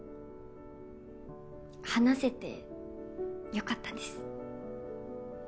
話せて良かったです。